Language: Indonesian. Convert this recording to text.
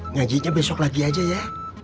ngajinya besok lagi aja ya